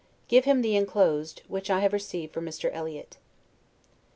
Give him the inclosed, which I have received from Mr. Eliot.